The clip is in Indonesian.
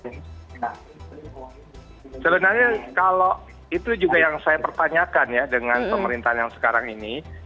nah sebenarnya kalau itu juga yang saya pertanyakan ya dengan pemerintahan yang sekarang ini